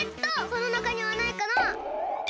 このなかにはないかな？